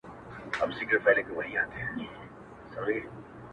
ورته ښېراوي هر ماښام كومه,